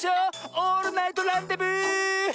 オールナイトランデブー！